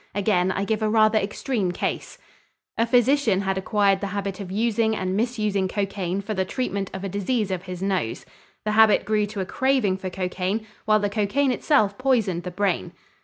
Again I give a rather extreme case. A physician had acquired the habit of using and misusing cocaine for the treatment of a disease of his nose. The habit grew to a craving for cocaine while the cocaine itself poisoned the brain.